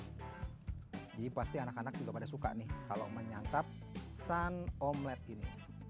jadi pasti anak anak juga pada suka nih kalau menyangkap sun omelette ini